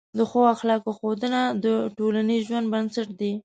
د ښه اخلاقو ښودنه د ټولنیز ژوند بنسټ دی.